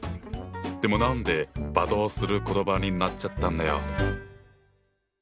でも何で罵倒する言葉になっちゃったんだよ？